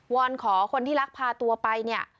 อนขอคนที่ลักพาตัวไปเนี่ย